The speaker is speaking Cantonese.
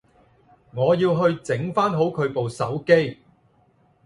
我要去整返好佢部手機